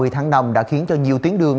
ba mươi tháng năm đã khiến cho nhiều tiếng đường